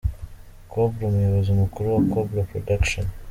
Cobra, Umuyobozi Mukuru wa Cobra Production .